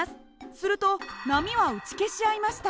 すると波は打ち消し合いました。